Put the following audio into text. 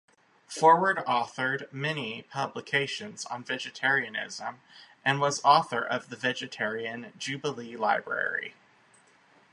Forward authored many publications on vegetarianism and was editor of the Vegetarian Jubilee Library.